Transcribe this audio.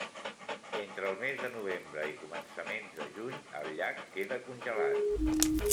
Entre el mes de novembre i començaments de juny el llac queda congelat.